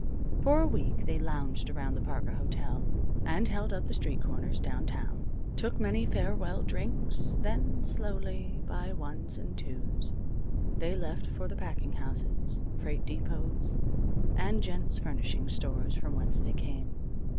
For a week they lounged around the Parker Hotel and held up the street corners downtown, took many farewell drinks, then, slowly, by ones and twos, they left for the packing houses, freight depots, and gents' furnishing stores from whence they came.